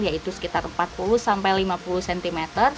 yaitu sekitar empat puluh sampai lima puluh cm